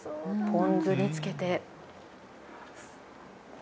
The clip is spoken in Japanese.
ポン酢につけて。